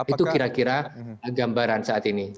itu kira kira gambaran saat ini